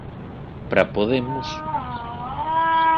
Para Podemos...